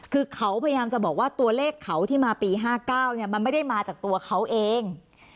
คือเขาพยายามจะบอกว่าตัวเลขเขาที่มาปี๕๙มันไม่ได้มาจากตัวเขาเอง